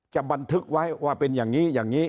บันทึกไว้ว่าเป็นอย่างนี้อย่างนี้